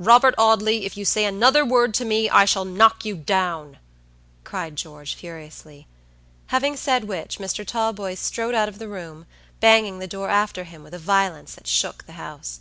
"Robert Audley, if you say another word to me, I shall knock you down," cried George, furiously; having said which, Mr. Talboys strode out of the room, banging the door after him with a violence that shook the house.